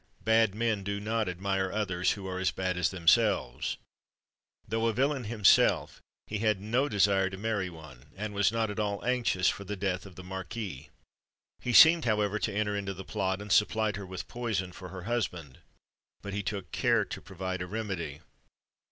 Bad men do not admire others who are as bad as themselves. Though a villain himself, he had no desire to marry one, and was not at all anxious for the death of the marquis. He seemed, however, to enter into the plot, and supplied her with poison for her husband; but he took care to provide a remedy.